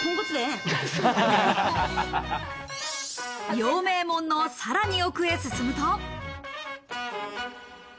陽明門のさらに奥へ進むと。